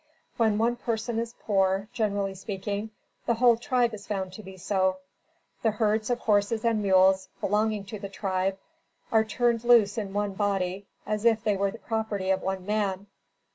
When one person is poor, generally speaking, the whole tribe is found to be so. The herds of horses and mules belonging to the tribe, are turned loose in one body as if they were the property of one man.